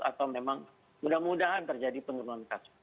atau memang mudah mudahan terjadi penurunan kasus